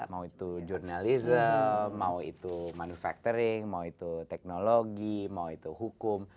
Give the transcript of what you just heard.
mau itu jurnalism mau itu manufacturing mau itu teknologi mau itu hukum